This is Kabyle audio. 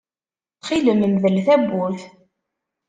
Ttxil-m mdel tawwurt.